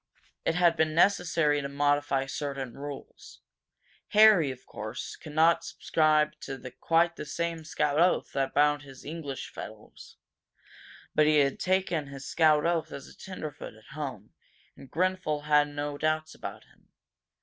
It had been necessary to modify certain rules. Harry, of course, could not subscribe to quite the same scout oath that bound his English fellows. But he had taken his scout oath as a tenderfoot at home, and Grenfel had no doubts about him.